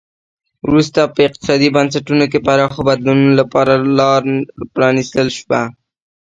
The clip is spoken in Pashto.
وروسته په اقتصادي بنسټونو کې پراخو بدلونونو لپاره لار پرانیستل شوه.